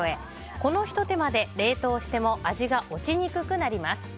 このひと手間で、冷凍しても味が落ちにくくなります。